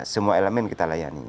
semua elemen kita layani